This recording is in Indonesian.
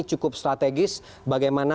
cukup strategis bagaimana